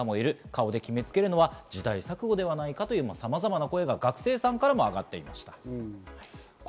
顔で決め付けるのは時代錯誤ではないかと、さまざまな声が学生さんから挙がっていました。